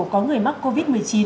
có người mắc covid một mươi chín